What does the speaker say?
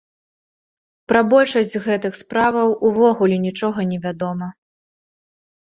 Пра большасць з гэтых справаў увогуле нічога не вядома.